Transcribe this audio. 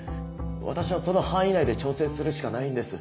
私はその範囲内で調整するしかないんです